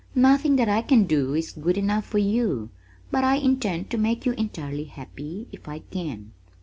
"Nothing that I can do is good enough for you, but I intend to make you entirely happy if I can."